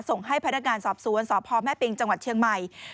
ส่งให้พนักงานสอบสวนสพแม่ปิงจังหวัดเชียงใหม่